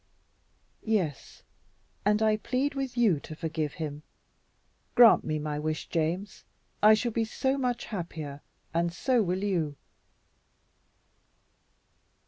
"Yes, and I plead with you to forgive him. Grant me my wish, James; I shall be so much happier, and so will you."